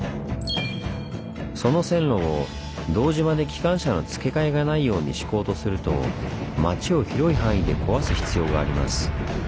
その線路を堂島で機関車の付け替えがないように敷こうとすると町を広い範囲で壊す必要があります。